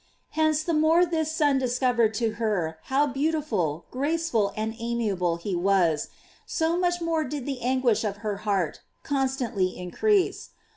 Hence, the more this Son discovered to her how beautiful, graceful, and amiable he was, BO much more did the anguish of her heart con stantly increase.